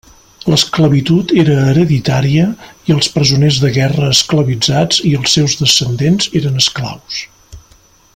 L'esclavitud era hereditària i els presoners de guerra esclavitzats i els seus descendents eren esclaus.